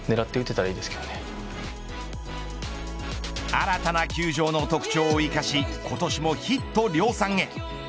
新たな球場の特徴を生かし今年もヒット量産へ。